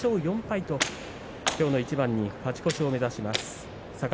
きょうこの一番で勝ち越しを目指します。